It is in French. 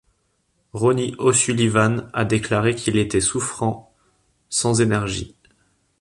Ronnie O'Sullivan a déclaré qu'il était souffrant, sans énergie.